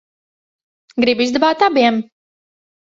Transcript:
Gribu izdabāt abiem.